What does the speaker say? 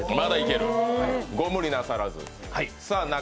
ご無理なさらず。